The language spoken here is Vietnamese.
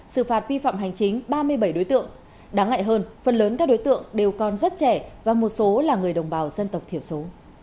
sự phạt vi phạm hành chính ba mươi bảy đối tượng đáng ngại hơn phần lớn các đối tượng đều còn rất trẻ và một số là người đồng bào dân tộc thiểu số